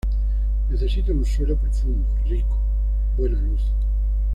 Necesita un suelo profundo, rico, buena luz.